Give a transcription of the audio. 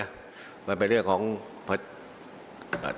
มันไม่ได้ใช้ระบบออนไลน์ระบบที่มันเร็วกว่านะ